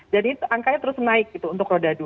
jadi angkanya terus naik gitu untuk roda dua